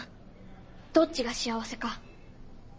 どっちが幸せか。